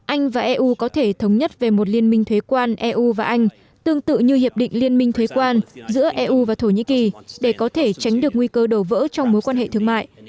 anh và eu có thể thống nhất về một liên minh thuế quan eu và anh tương tự như hiệp định liên minh thuế quan giữa eu và thổ nhĩ kỳ để có thể tránh được nguy cơ đổ vỡ trong mối quan hệ thương mại